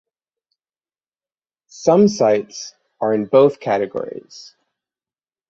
Some sites are in both categories.